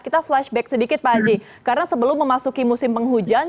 kita flashback sedikit pak haji karena sebelum memasuki musim penghujan